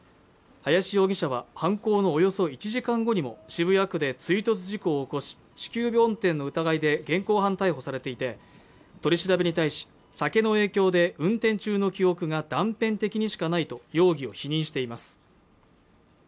林容疑者は犯行のおよそ１時間後にも渋谷区で追突事故を起こし酒気帯び運転の疑いで現行犯逮捕されていて取り調べに対し酒の影響で運転中の記憶が断片的にしかないと容疑を否認しています